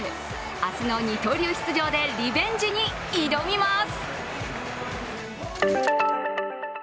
明日の二刀流出場でリベンジに挑みます。